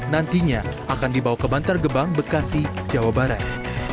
nantinya akan dibawa ke bantar gebang bekasi jawa barat